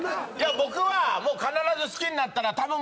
僕は必ず好きになったらたぶん。